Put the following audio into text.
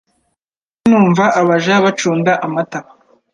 Nahoze numva abaja bacunda amata